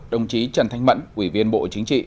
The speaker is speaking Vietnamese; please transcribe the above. đồng chí trần thanh mẫn ủy viên bộ chính trị